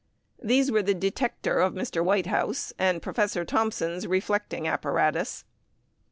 These were the "detector" of Mr. Whitehouse and Professor Thomson's reflecting apparatus.